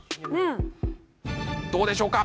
どうでしょうか。